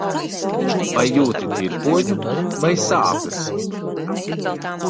Vai jūti tirpoņu vai sāpes?